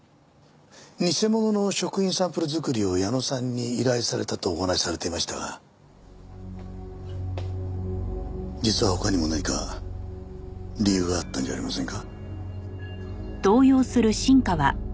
偽物の食品サンプル作りを矢野さんに依頼されたとお話しされていましたが実は他にも何か理由があったんじゃありませんか？